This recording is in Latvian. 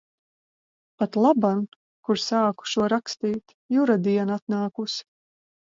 Patlaban, kur sāku šo rakstīt, Jura diena atnākusi.